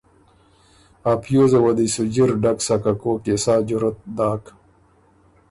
ا پیوزه وه دی سُو جِر ډک سَۀ که کوک يې سا جرأت داک۔